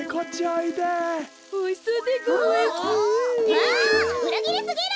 あっうらぎりすぎる！